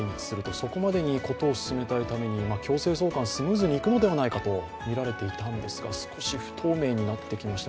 そこまでに事を進めたいために強制送還、スムーズにいくのではないかとみられていたんですが、少し不透明になってきました、